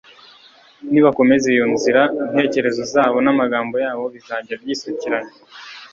nibakomeza iyo nzira, intekerezo zabo n'amagambo yabo bizajya byisukiranya